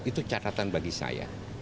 itu catatan bagi saya